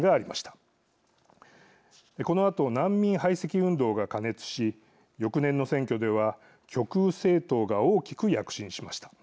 このあと難民排斥運動が過熱し翌年の選挙では極右政党が大きく躍進しました。